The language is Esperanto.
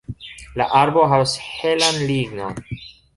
La arbo havas helan lignon.